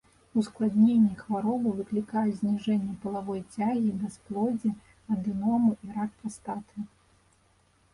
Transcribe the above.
Ускладненні хваробы выклікаюць зніжэнне палавой цягі, бясплоддзе, адэному і рак прастаты.